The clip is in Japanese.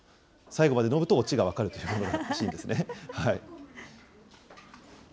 最後まで飲むとオチが分かるというものらしいんですね。